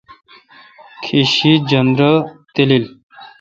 کیش شیی تھ جندر تالیل۔